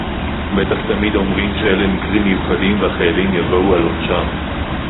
בטח תמיד אומרים שאלה מקרים מיוחדים והחיילים יבואו על עונשם